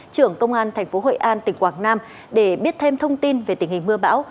trưởng công an tp hội an tỉnh quảng nam để biết thêm thông tin về tình hình mưa bão